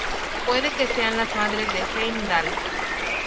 Puede que sean las madres de Heimdall.